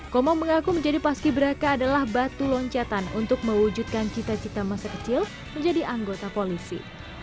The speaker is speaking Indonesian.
komang mengaku menjadi paski beraka adalah batu loncatan untuk mewujudkan cita cita masa kecil menjadi anggota polisi